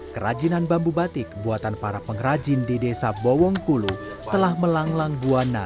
kerajinan bambu batik buatan para pengrajin di desa bowongkulu telah melanglang buana